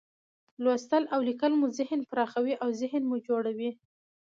لوستل او لیکل مو ذهن پراخوي، اوذهین مو جوړوي.